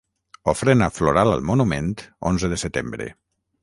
Ofrena floral al monument onze de setembre.